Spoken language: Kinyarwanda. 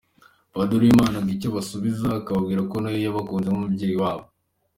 Padiri Uwimana ngo icyo abasubiza, ababwira ko nawe yabakunze nk’umubyeyi wabo.